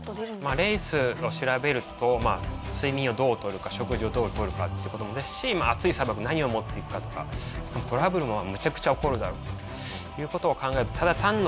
レースを調べると睡眠をどう取るか食事をどう取るかって事もですし暑い砂漠に何を持っていくかとかトラブルもめちゃくちゃ起こるだろうという事を考えると。と思ってですね